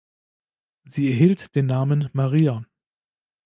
Sie erhielt den Namen "Maria".